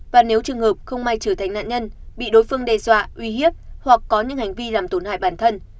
và nếu trường hợp không may trở thành nạn nhân bị đối phương đe dọa uy hiếp hoặc có những hành vi làm tổn hại bản thân